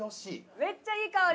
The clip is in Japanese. めっちゃいい香り。